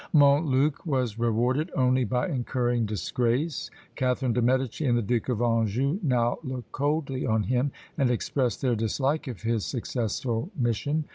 Montluc was rewarded only by incurring disgrace; Catharine de' Medici and the Duke of Anjou now looked coldly on him, and expressed their dislike of his successful mission.